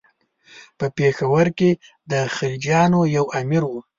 په پېښور کې د خلجیانو یو امیر.